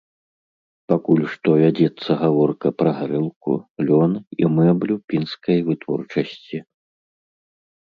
Пакуль што вядзецца гаворка пра гарэлку, лён і мэблю пінскай вытворчасці.